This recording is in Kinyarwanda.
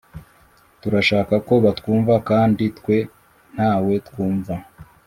turashaka ko batwumva kandi twe ntawe twumva